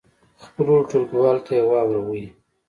خپلو ټولګیوالو ته یې واوروئ.